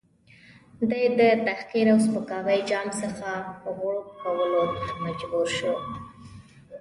دی د تحقیر او سپکاوي جام څخه غوړپ کولو ته مجبور شو.